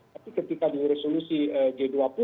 tapi ketika di resolusi g dua puluh